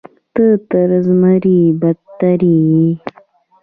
ته تر زمري بدتر یې.